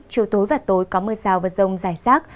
chiều tối và tối có mưa rào và rông rải rác